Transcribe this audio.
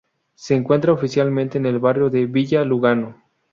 Se encuentra oficialmente en el barrio de Villa Lugano.